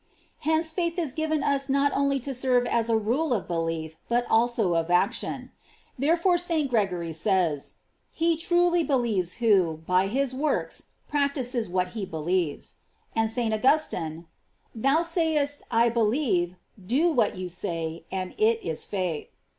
Hence faith is given us not only to serve as a rule of belief, but also of action. Therefore St. Gregory eays: He truly believes who, by his works, practises what he believes. § And St. Augustine: Thou sayest," I believe," do what you say, and it is faith.